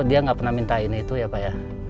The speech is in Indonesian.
dia nggak pernah minta ini itu ya pak ya